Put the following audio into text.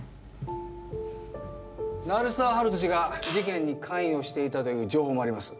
・鳴沢温人氏が事件に関与していたという情報もあります